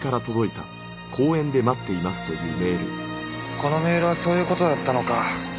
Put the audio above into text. このメールはそういう事だったのか。